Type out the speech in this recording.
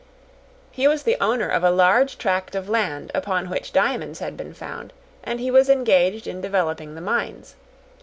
He was the owner of a large tract of land upon which diamonds had been found, and he was engaged in developing the mines.